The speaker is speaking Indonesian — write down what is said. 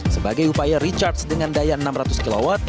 sebagai upaya recharge dengan daya enam ratus kw